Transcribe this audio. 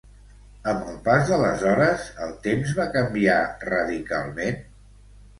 Amb el pas de les hores, el temps va canviar radicalment?